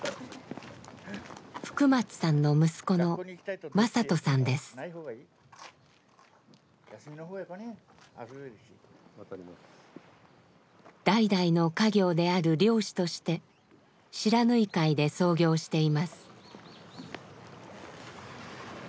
福松さんの息子の代々の家業である漁師として不知火海で操業しています。